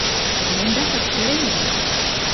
Мондашак сöрем гын